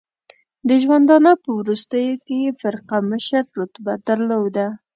د ژوندانه په وروستیو کې یې فرقه مشر رتبه درلوده.